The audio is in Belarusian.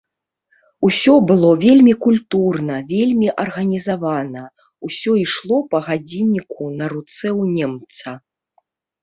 Усё было вельмі культурна, вельмі арганізавана, усё ішло па гадзінніку на руцэ ў немца.